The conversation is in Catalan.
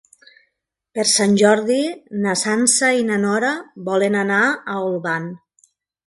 Per Sant Jordi na Sança i na Nora volen anar a Olvan.